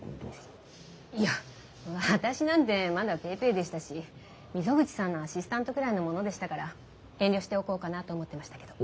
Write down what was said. いや私なんてまだぺぇぺぇでしたし溝口さんのアシスタントくらいのものでしたから遠慮しておこうかなと思ってましたけど。